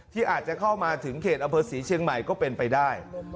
ที่อาจจะเข้ามาถึงเขตอำเภอศรีเชียงใหม่ก็เป็นไปได้